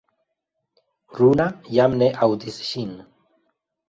Runa jam ne aŭdis ŝin.